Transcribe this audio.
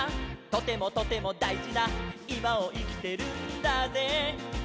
「とてもとてもだいじないまをいきてるんだぜ」